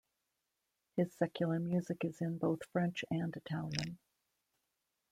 His secular music is in both French and Italian.